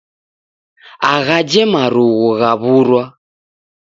Aghaje marughu ghawurwa